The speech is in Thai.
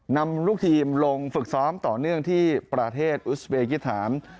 นำลูกทีมลงฝึกซ้อมต่อเนื่องที่ประเทศอุสเบกิถาม